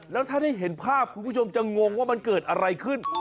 แล้วถ้าได้เห็นภาพคุณผู้ชมจะงงว่ามันเกิดอะไรขึ้น